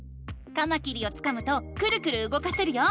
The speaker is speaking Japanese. カマキリをつかむとクルクルうごかせるよ。